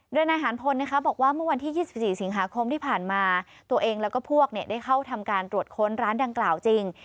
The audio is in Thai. โดยนายหานพลบอกว่าเมื่อวันที่๒๔สิงหาคมที่ผ่านมาตัวเองแล้วก็พวกได้เข้าทำการตรวจค้นร้านดังกล่าวจริง